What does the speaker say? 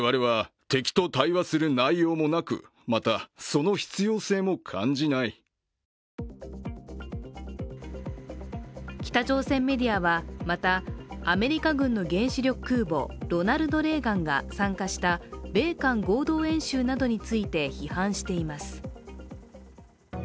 総書記は北朝鮮メディアはまた、アメリカ軍の原子力空母「ロナルド・レーガン」が参加した米韓合同演習などについて批判しています。